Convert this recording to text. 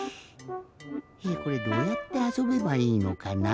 これどうやってあそべばいいのかな？